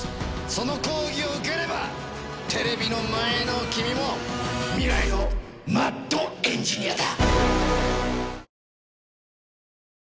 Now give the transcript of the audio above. その講義を受ければテレビの前の君も未来のマッドエンジニアだ。